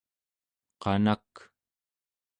qanak